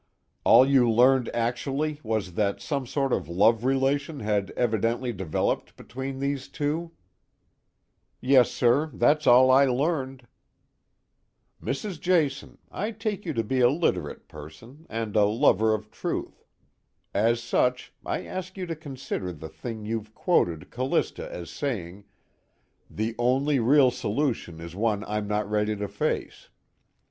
"All you learned, actually, was that some sort of love relation had evidently developed between these two?" "Yes, sir, that's all I learned." "Mrs. Jason, I take you to be a literate person and a lover of truth. As such, I ask you to consider the thing you've quoted Callista as saying: 'The only real solution is one I'm not ready to face.'